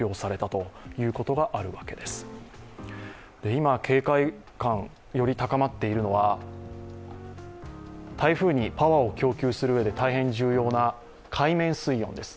今、警戒感がより高まっているのは台風にパワーを供給する上で大変重要な海面水温です。